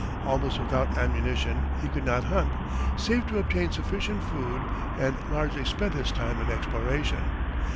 Almost without ammunition, he could not hunt, save to obtain sufficient food, and largely spent his time in exploration.